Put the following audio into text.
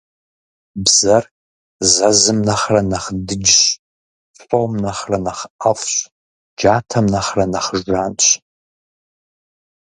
Бзэр зэзым нэхърэ нэхъ дыджщ, фом нэхърэ нэхъ IэфIщ, джатэм нэхърэ нэхъ жанщ.